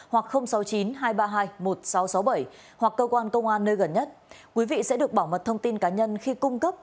hoặc sáu mươi chín hai trăm ba mươi hai một nghìn sáu trăm sáu mươi bảy hoặc cơ quan công an nơi gần nhất